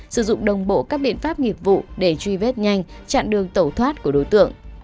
sử dụng đồng bộ các biện pháp nghiệp vụ để truy vết nhanh chặn đường tẩu thoát của đối tượng